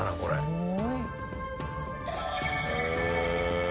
すごい。